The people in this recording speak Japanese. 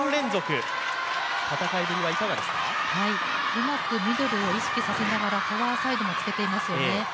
うまくミドルを意識させながらフォアサイドもつけていますよね。